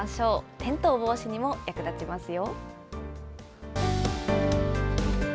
転倒防止にも役立ちますよ。